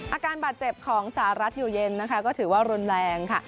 อาการบาดเจ็บของสหรัฐอยู่เย็นนะคะก็ถือว่ารุนแรงค่ะ